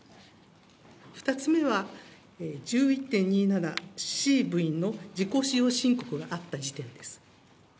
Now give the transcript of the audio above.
２つ目は１１．２７、Ｃ部員の自己使用申告があった時点です。